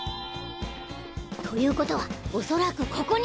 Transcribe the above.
ということは恐らくここに。